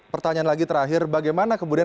pertanyaan lagi terakhir bagaimana kemudian